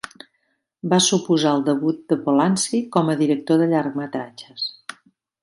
Va suposar el debut de Polanski com a director de llargmetratges.